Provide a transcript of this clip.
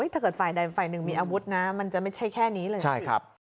ถ้าเกิดฝ่ายใดฝ่ายหนึ่งมีอาวุธนะมันจะไม่ใช่แค่นี้เลย